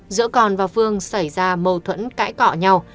giữa còn và phương xảy ra mâu thuẫn cãi cọ nhau